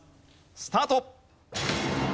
スタート！